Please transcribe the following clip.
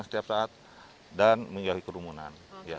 setiap saat dan menjauhi kerumunan